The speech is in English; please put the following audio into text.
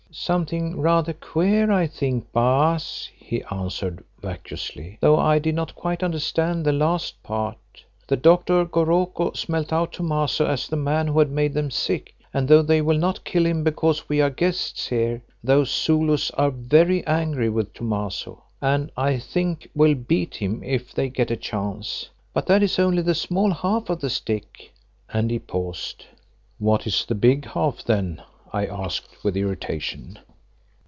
"Something rather queer, I think, Baas," he answered vacuously, "though I did not quite understand the last part. The doctor, Goroko, smelt out Thomaso as the man who had made them sick, and though they will not kill him because we are guests here, those Zulus are very angry with Thomaso and I think will beat him if they get a chance. But that is only the small half of the stick," and he paused. "What is the big half, then?" I asked with irritation.